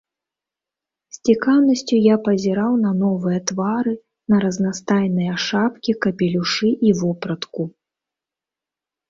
З цікаўнасцю я пазіраў на новыя твары, на разнастайныя шапкі, капелюшы і вопратку.